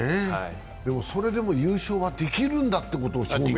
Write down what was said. それでも優勝はできるんだということを証明した。